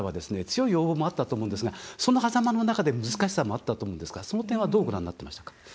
強い要望もあったと思うんですがそのはざまの中で難しさもあったと思うんですがその点はどうご覧になってましたか。